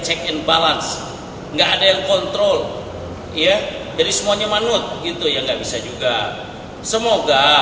check and balance enggak ada yang kontrol ya jadi semuanya manut gitu ya nggak bisa juga semoga